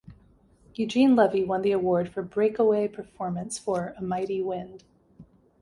Eugene Levy won the award for Breakaway Performance for "A Mighty Wind".